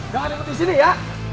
jangan ikut disini ya